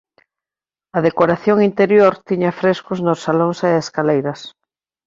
A decoración interior tiña frescos nos salóns e escaleiras.